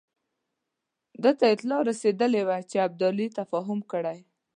ده ته اطلاع رسېدلې وه چې ابدالي تفاهم کړی.